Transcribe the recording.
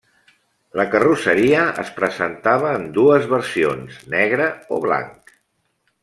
La carrosseria es presentava en dues versions: negre o blanc.